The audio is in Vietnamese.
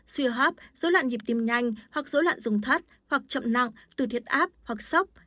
suy hóp dối loạn nhịp tim nhanh hoặc dối loạn dùng thắt hoặc chậm nặng tử thiết áp hoặc sốc